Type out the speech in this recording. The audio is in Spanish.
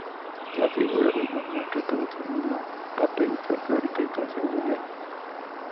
La figura del monarca pasó a tener un papel folklórico y ceremonial.